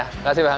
terima kasih bang